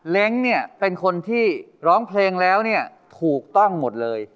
เล้งก์เป็นคนที่ร้องเพลงแล้วถูกต้องหมดเลย